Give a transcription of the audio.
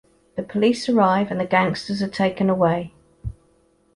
The police arrive and the gangsters are taken away.